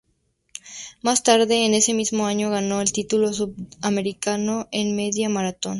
Más tarde en ese mismo año, ganó el título sudamericano en media maratón.